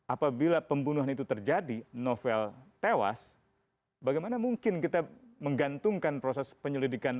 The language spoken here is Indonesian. apabila pembunuhan itu terjadi novel tewas bagaimana mungkin kita menggantungkan proses penyelidikan